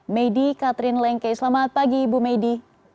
meidi katrin lengke selamat pagi ibu meidi